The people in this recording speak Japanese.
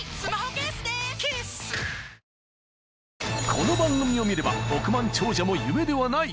［この番組を見れば億万長者も夢ではない］